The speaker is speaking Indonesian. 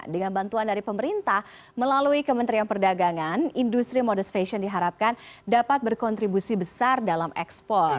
dengan bantuan dari pemerintah melalui kementerian perdagangan industri modest fashion diharapkan dapat berkontribusi besar dalam ekspor